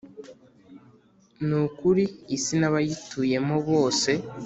ni ukuri isi n’abayituyemo bose